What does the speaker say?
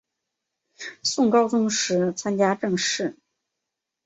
宋高宗时参知政事。